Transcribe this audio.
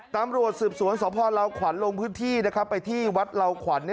ตำรวจสืบสวนสอบภรรยาลาวขวัญลงพื้นที่ไปที่วัดลาวขวัญ